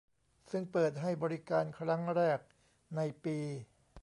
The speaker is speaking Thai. ซึ่งเปิดให้บริการครั้งแรกในปี